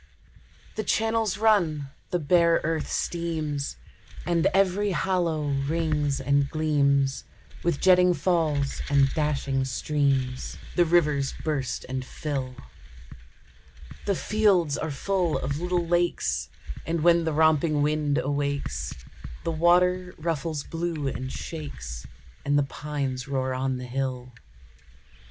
The channels run, the bare earth steams, And every hollow rings and gleams With jetting falls and dashing streams; The rivers burst and fill; The fields are full of little lakes, And when the romping wind awakes The water ruffles blue and shakes, And the pines roar on the hill.